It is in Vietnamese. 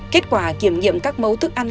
kết quả kiểm nghiệm các mẫu thức ăn